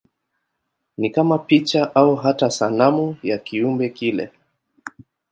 Ni kama picha au hata sanamu ya kiumbe kile.